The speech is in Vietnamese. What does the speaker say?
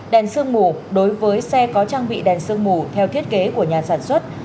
đèn sương mù đối với xe có trang bị đèn sương mù theo thiết kế của nhà sản xuất